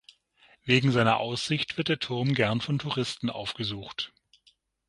Wegen seiner Aussicht wird der Turm gern von Touristen aufgesucht.